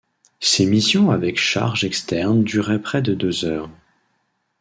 Ces missions avec charges externes duraient près de deux heures.